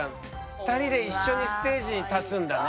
２人で一緒にステージに立つんだね。